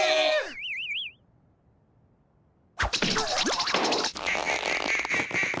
あっ。